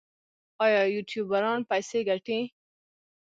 آیا یوټیوبران پیسې ګټي؟